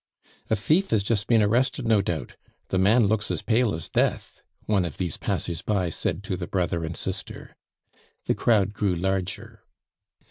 "A thief has just been arrested no doubt, the man looks as pale as death," one of these passers by said to the brother and sister. The crowd grew larger.